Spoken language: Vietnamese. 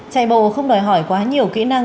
chạy bộ không đòi hỏi quá nhiều kỹ năng